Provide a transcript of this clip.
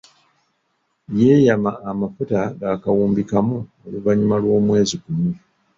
Yeeyama amafuta ga kawumbi kamu oluvannyuma lw’omwezi gumu.